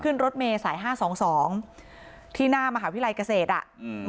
รถเมย์สายห้าสองสองที่หน้ามหาวิทยาลัยเกษตรอ่ะอืม